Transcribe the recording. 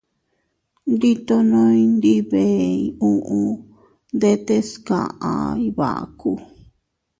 Nditono ndibey uu ndetes kaʼa Iybaku.